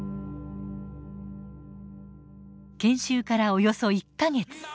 研修からおよそ１か月。